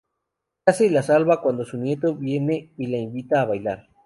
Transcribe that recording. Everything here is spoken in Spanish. Casey la salva cuando su nieto viene y la invita a bailar.